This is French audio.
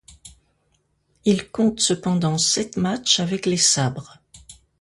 Il compte cependant sept matchs avec les Sabres.